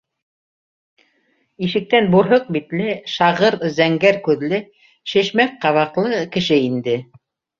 Ишектән бурһыҡ битле, шағыр зәңгәр күҙле, шешмәк ҡабаҡлы кеше инде.